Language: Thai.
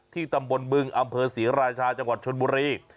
ตำบลบึงอำเภอศรีราชาจังหวัดชนบุรี